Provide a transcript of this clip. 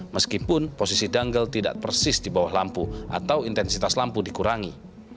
meskipun posisi dungle tidak persis di bawah lampu atau intensitas lampu dikurangi